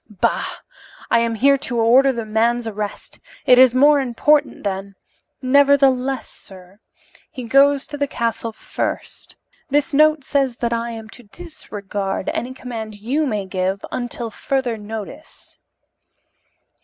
"Bah! I am here to order the man's arrest. It is more important than " "Nevertheless, sir, he goes to the castle first. This note says that I am to disregard any command you may give until further notice."